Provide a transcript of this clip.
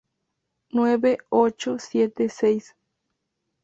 Nueve, ocho, siete, seis...